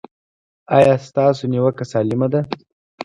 ایا ستاسو نیوکه سالمه ده؟